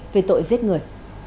về tội giết người